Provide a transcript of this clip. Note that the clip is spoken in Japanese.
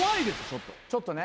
ちょっとね。